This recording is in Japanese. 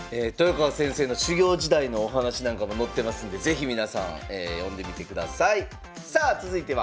豊川先生の修業時代のお話なんかも載ってますんで是非皆さん読んでみてください。